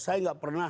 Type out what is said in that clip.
saya nggak pernah